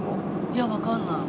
いやわかんない。